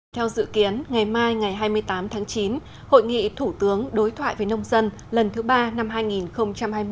theo dự kiến ngày mai ngày hai mươi tám tháng chín hội nghị thủ tướng đối thoại với nông dân lần thứ ba năm hai nghìn hai mươi